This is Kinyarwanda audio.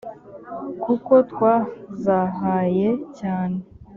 kuko twazahaye cyane